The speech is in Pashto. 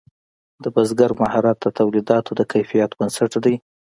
د بزګر مهارت د تولیداتو د کیفیت بنسټ دی.